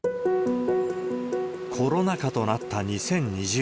コロナ禍となった２０２０年。